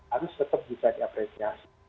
harus tetap bisa diapresiasi